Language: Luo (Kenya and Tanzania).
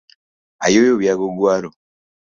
Ayuoyo wiya gi oguaru